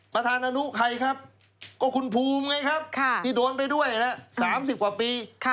ประธานอนุใครครับก็คุณภูมิไงครับที่โดนไปด้วยนะ๓๐กว่าปี